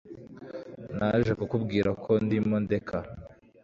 naje kukubwira ko ndimo ndeka